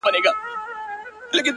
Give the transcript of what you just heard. ښکلا د کال له ټولو جنجالونو راوتلې!!